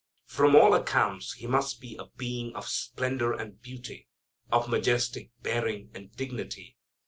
From all accounts he must be a being of splendor and beauty, of majestic bearing, and dignity.